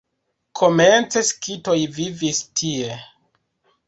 Komence skitoj vivis tie.